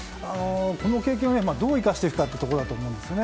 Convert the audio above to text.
この経験をどう生かしていくかというところだと思うんですよね。